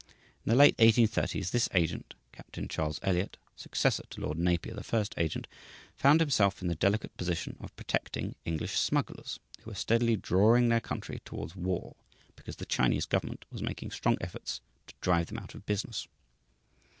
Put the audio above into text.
In the late 1830's this agent, Captain Charles Elliot (successor to Lord Napier, the first agent), found himself in the delicate position of protecting English smugglers, who were steadily drawing their country towards war because the Chinese government was making strong efforts to drive them out of business.